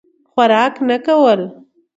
خوراک نه کول.